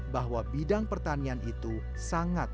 bahwa bidang pertanian itu sangat